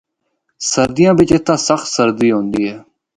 سردیاں بچ اِتھا سخت سردی ہوندی ہے۔